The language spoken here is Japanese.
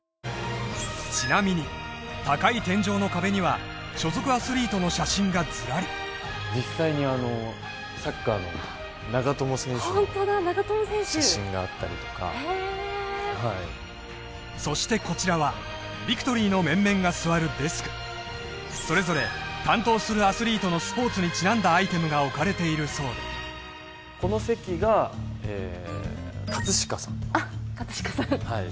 ちなみに高い天井の壁には所属アスリートの写真がずらり実際にサッカーの長友選手の写真があったりとかホントだ長友選手へえそしてこちらはビクトリーの面々が座るデスクそれぞれ担当するアスリートのスポーツにちなんだアイテムが置かれているそうでこの席が葛飾さんあっ葛飾さん